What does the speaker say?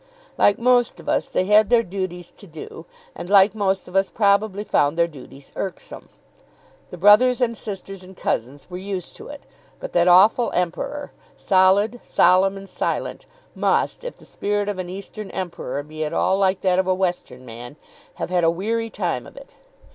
Like most of us, they had their duties to do, and, like most of us, probably found their duties irksome. The brothers and sisters and cousins were used to it; but that awful Emperor, solid, solemn, and silent, must, if the spirit of an Eastern Emperor be at all like that of a Western man, have had a weary time of it.